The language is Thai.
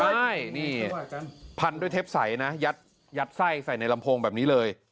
ใช่นี่พันด้วยเทปใสนะยัดไส้ใส่ในลำโพงแบบนี้เลย